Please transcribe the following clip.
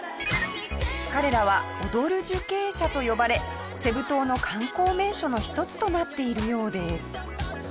彼らは「踊る受刑者」と呼ばれセブ島の観光名所の一つとなっているようです。